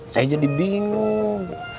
saya jadi bingung